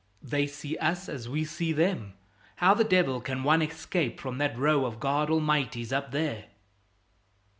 "They see us as we see them. How the devil can one escape from that row of God Almighties up there?"